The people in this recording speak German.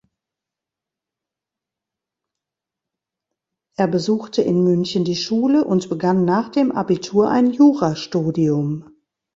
Er besuchte in München die Schule und begann nach dem Abitur ein Jura-Studium.